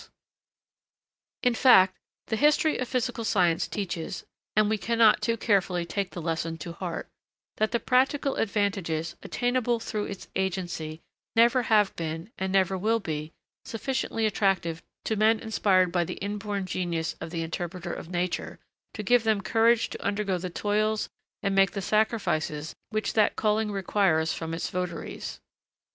[Sidenote: but instigated by love of knowledge] In fact, the history of physical science teaches (and we cannot too carefully take the lesson to heart) that the practical advantages, attainable through its agency, never have been, and never will be, sufficiently attractive to men inspired by the inborn genius of the interpreter of nature, to give them courage to undergo the toils and make the sacrifices which that calling requires from its votaries.